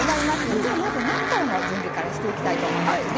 じゃあまず納豆の準備からしていきたいと思いますね。